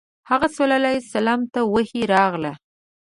هغه ﷺ ته وحی راغله.